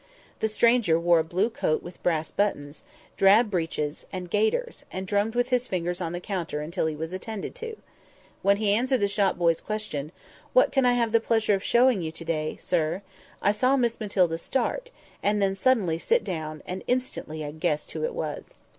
The stranger wore a blue coat with brass buttons, drab breeches, and gaiters, and drummed with his fingers on the counter until he was attended to. When he answered the shop boy's question, "What can I have the pleasure of showing you to day, sir?" I saw Miss Matilda start, and then suddenly sit down; and instantly I guessed who it was.